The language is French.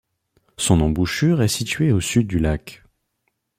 Son embouchure est située au sud du lac.